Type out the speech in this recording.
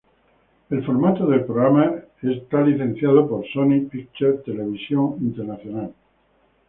El formato del programa es licenciado por Sony Pictures Television International.